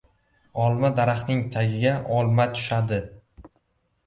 • Olma daraxtining tagiga olma tushadi.